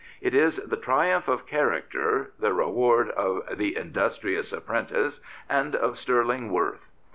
It is the triumph of character, the reward of the industrious apprentice " and of sterling worth.